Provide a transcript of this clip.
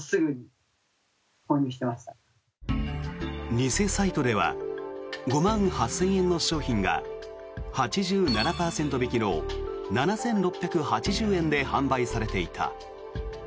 偽サイトでは５万８０００円の商品が８７％引きの７６８０円で販売されていた。